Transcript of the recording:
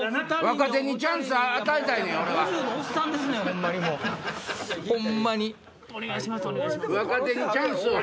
若手にチャンスを。